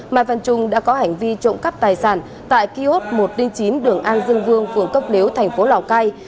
mai văn trung đã có hành vi trộm cắp tài sản tại kiosk một chín đường an dương vương phường cốc liếu thành phố lào cai